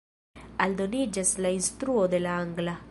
Aldoniĝas la instruo de la angla.